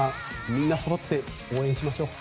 みんなそろって応援しましょう。